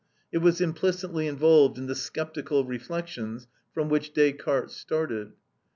It was implicitly involved in the sceptical reflections from which Descartes started.